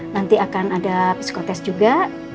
nanti akan ada psikotest juga